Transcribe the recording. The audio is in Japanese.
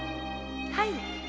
はい。